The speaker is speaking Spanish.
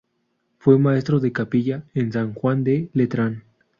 Fue maestro de capilla en San Juan de Letrán.